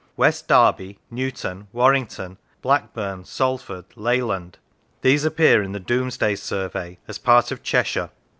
West Derby, Newton, Warrington, Blackburn, Salford, Leyland these appear in the Domesday survey as part of Cheshire.